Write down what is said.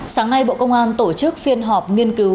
sáng nay bộ công an tổ chức phiên họp nghiên cứu